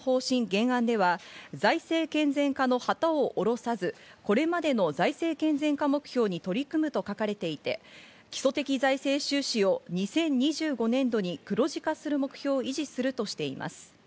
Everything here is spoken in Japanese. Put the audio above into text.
原案では、財政健全化の旗を下ろさず、これまでの財政健全化目標に取り組むと書かれていて、基礎的財政収支を２０２５年度に黒字化する目標を維持するとしています。